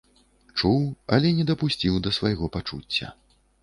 Чуў, але не дапусціў да свайго пачуцця.